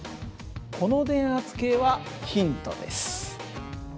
この電圧計はヒントです。